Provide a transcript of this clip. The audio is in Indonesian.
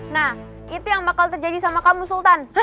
nah itu yang bakal terjadi sama kamu sultan